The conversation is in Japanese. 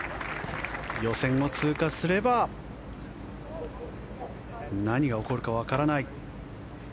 予選を通過すれば何が起こるかわからない。